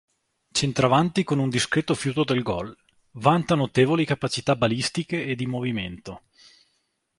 Centravanti con un discreto fiuto del gol, vanta notevoli capacità balistiche e di movimento.